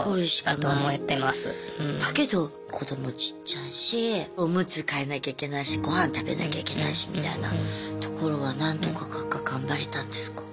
だけど子どもちっちゃいしおむつ替えなきゃいけないし御飯食べなきゃいけないしみたいなところは何とか頑張れたんですか？